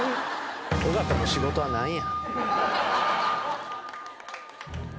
「尾形の仕事は何や？」